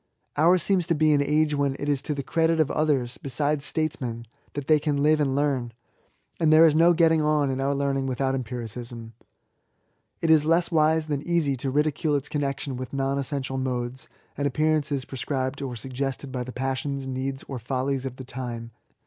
Ours seems to be an age when it is to the credit of others, besides statesmen, that they can live and learn ; and there is no getting on in our learning without empiricism. It is less wise than easy to ridicule its connection with non essential modes and appearances prescribed or suggested by the passions, needs, or follies of the time.